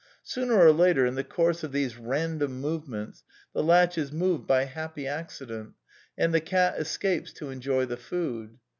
Sooner or later, in the course of these random movements, the latch is moved by happy accident and the cat escapes to enjoy the food.